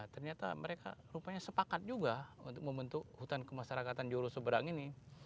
ternyata mereka rupanya sepakat juga untuk membentuk hutan kemasyarakatan juru seberang ini